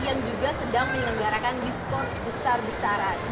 yang juga sedang menyelenggarakan diskon besar besaran